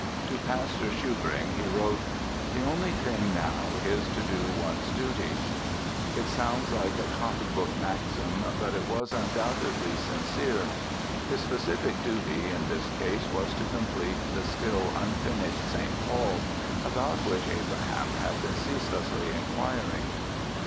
To Pastor Schubring he wrote: "The only thing now is to do one's duty". It sounds like a copy book maxim but it was undoubtedly sincere. His specific "duty" in this case was to complete the still unfinished "St. Paul", about which Abraham had been ceaselessly inquiring.